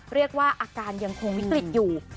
เรียกว่าอาการยังคงวิกฤตอยู่